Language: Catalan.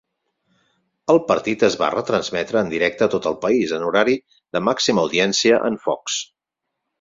El partit es va retransmetre en directe a tot el país en horari de màxima audiència en Fox.